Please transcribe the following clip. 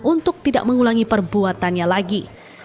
untuk tidak mengulangi perbuatannya lagi